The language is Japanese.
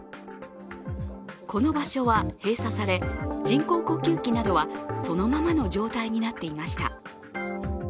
この場所は閉鎖され、人工呼吸器などはそのままの状態になっていました。